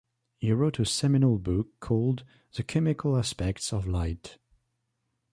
He wrote a seminal book called "The Chemical Aspects of Light".